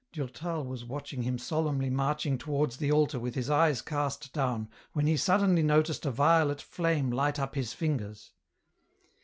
Durtal was watching him solemnly marching towards the altar with his eyes cast down when he suddenly noticed a violet flame light up his fingers.